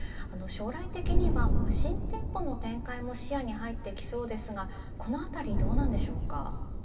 将来的には無人店舗の展開も視野に入ってきそうですがこのあたりどうなんでしょうか。